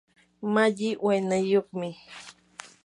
malli waynayuqmi.